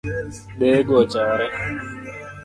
Deye go ochare